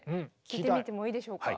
聴いてみてもいいでしょうか。